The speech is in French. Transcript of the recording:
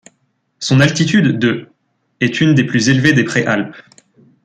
Son altitude de est une des plus élevées des préalpes.